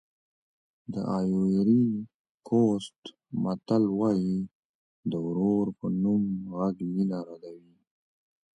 د ایوُري کوسټ متل وایي د ورور په نوم غږ مینه ردوي.